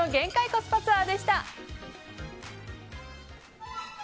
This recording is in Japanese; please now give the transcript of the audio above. コスパツアーでした。